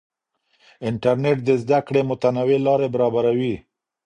انټرنیټ د زده کړې متنوع لارې برابروي.